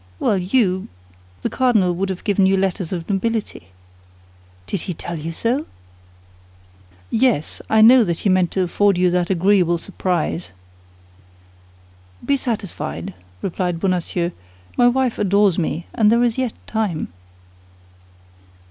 "Well you—the cardinal would have given you letters of nobility." "Did he tell you so?" "Yes, I know that he meant to afford you that agreeable surprise." "Be satisfied," replied Bonacieux; "my wife adores me, and there is yet time."